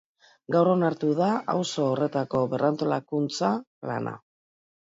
Gaur onartu da auzo horretako berrantolakuntza plana.